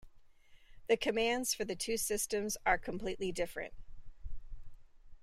The commands for the two systems are completely different.